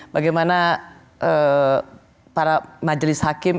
bagaimana para majelis hakim